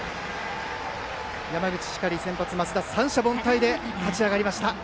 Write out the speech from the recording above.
山口・光の先発の升田三者凡退で立ち上がりました。